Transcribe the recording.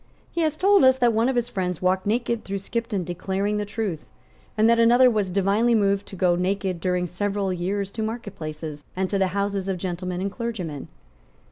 He has told us that one of his friends walked naked through Skipton declaring the truth. and that another was divinely moved to go naked during several years to marketplaces, and to the houses of gentlemen and clergymen.